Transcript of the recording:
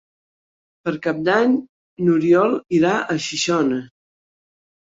Per Cap d'Any n'Oriol irà a Xixona.